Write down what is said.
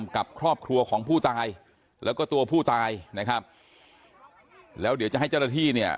กับครอบครัวของผู้ตายแล้วก็ตัวผู้ตายนะครับแล้วเดี๋ยวจะให้เจ้าหน้าที่เนี่ย